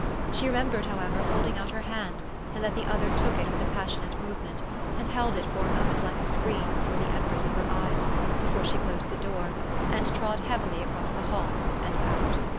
She remembered, however, hold ing out her hand, and that the other took it with a passionate movement, and held it for a moment like a screen before the embers of her eyes, before she closed the door, and trod heavity across the hall and out.